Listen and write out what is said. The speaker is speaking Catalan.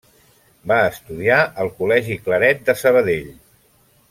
Va estudiar al col·legi Claret de Sabadell.